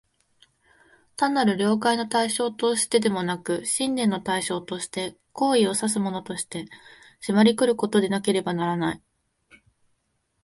単なる了解の対象としてでなく、信念の対象として、行為を唆すものとして、迫り来ることでなければならない。